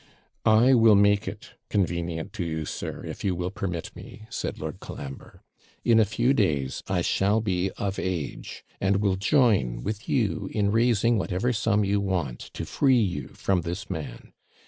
'I will make it convenient to you, sir, if you will permit me,' said Lord Colambre. 'In a few days I shall be of age, and will join with you in raising whatever sum you want, to free you from this man.